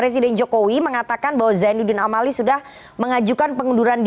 selamat sore itfana